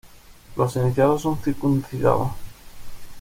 Los iniciados son circuncidados.